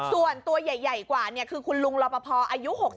ส่วนตัวใหญ่กว่าคือคุณลุงรอปภอายุ๖๐